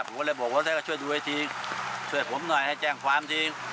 ผมก็เลยบอกว่าท่านก็ช่วยดูเวทีช่วยผมหน่อยให้แจ้งความที